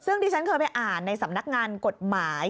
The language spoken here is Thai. ซึ่งที่ฉันเคยไปอ่านในสำนักงานกฎหมาย